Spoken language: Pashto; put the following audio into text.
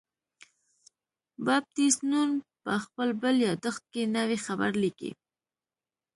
بابټیست نون په خپل بل یادښت کې نوی خبر لیکي.